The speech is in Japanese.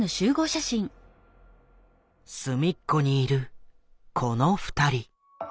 隅っこにいるこの二人。